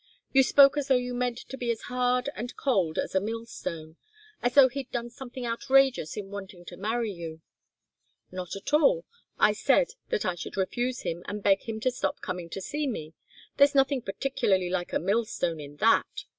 You spoke as though you meant to be as hard and cold as a mill stone as though he'd done something outrageous in wanting to marry you." "Not at all. I said that I should refuse him and beg him to stop coming to see me. There's nothing particularly like a mill stone in that.